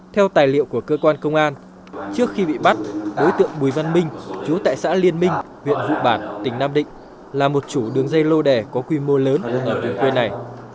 theo tài liệu của cơ quan công an trước khi bị bắt đối tượng bùi văn minh chú tại xã liên minh huyện vụ bản tỉnh nam định là một chủ đường dây lô đẻ có quy mô lớn ở vùng quê này